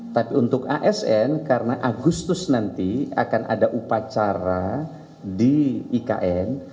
tapi untuk asn karena agustus nanti akan ada upacara di ikn